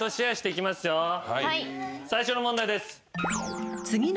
最初の問題です。